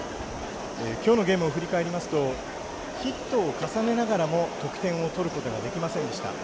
今日のゲームを振り返りますとヒットを重ねながらも得点を取ることができませんでした。